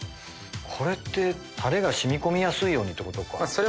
これってタレが染み込みやすいようにってことか。